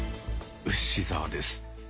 ウシ澤です。